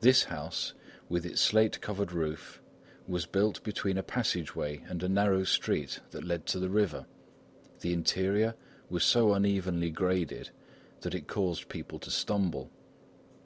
This house, with its slate covered roof, was built between a passage way and a narrow street that led to the river. The interior was so unevenly graded that it caused people to stumble.